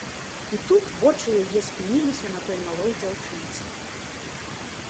І тут вочы яе спыніліся на той малой дзяўчынцы.